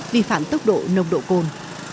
vi phạm tốc độ nồng độ cồn